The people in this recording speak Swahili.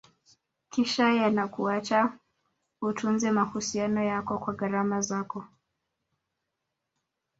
kisha yanakuacha utunze mahusiano yako kwa gharama zako